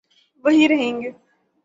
وہی رہیں گے۔